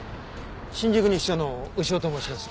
新宿西署の牛尾と申します。